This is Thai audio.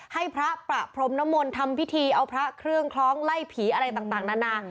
ให้พระประพรมนมลทำพิธีเอาพระเครื่องคล้องไล่ผีอะไรต่างนานา